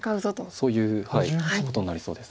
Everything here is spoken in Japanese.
そういうことになりそうです。